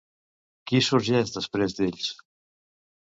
Qui sorgeix després d'ells?